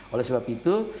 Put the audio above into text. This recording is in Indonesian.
oleh sebab itu